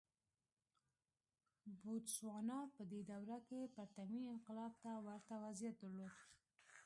بوتسوانا په دې دوره کې پرتمین انقلاب ته ورته وضعیت درلود.